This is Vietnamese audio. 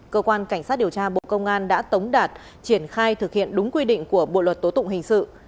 cơ quan cảnh sát điều tra bộ công an đã tống đạt triển khai thực hiện đúng quy định của bộ luật tố tụng hình sự